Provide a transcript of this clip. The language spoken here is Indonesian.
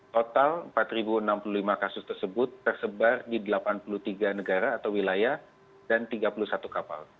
total empat enam puluh lima kasus tersebut tersebar di delapan puluh tiga negara atau wilayah dan tiga puluh satu kapal